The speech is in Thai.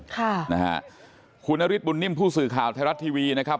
ค่ะนะฮะคุณนฤทธบุญนิ่มผู้สื่อข่าวไทยรัฐทีวีนะครับ